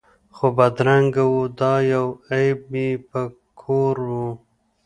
خو بدرنګه وو دا یو عیب یې په کور وو